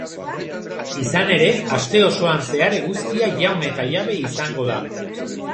Izan ere, aste osoan zehar eguzkia jaun eta jabe izango da.